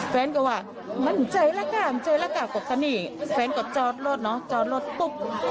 แฟนก็ว่ามั่นใจแล้วค่ะเจอแล้วค่ะก็นี่แฟนก็จอดรถเนาะจอดรถปุ๊บ